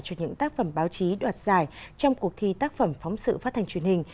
cho những tác phẩm báo chí đoạt giải trong cuộc thi tác phẩm phóng sự phát thanh truyền hình